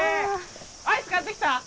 アイス買ってきた？